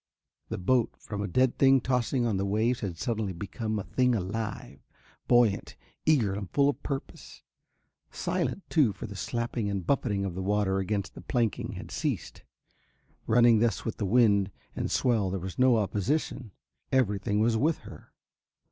The boat, from a dead thing tossing on the waves, had suddenly become a thing alive, buoyant, eager and full of purpose, silent, too, for the slapping and buffeting of the water against the planking had ceased. Running thus with the wind and swell there was no opposition, everything was with her.